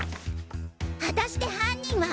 果たして犯人は？